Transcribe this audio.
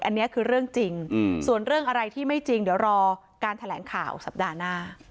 อันนี้คือเรื่องจริงส่วนเรื่องอะไรที่ไม่จริงเดี๋ยวรอการแถลงข่าวสัปดาห์หน้า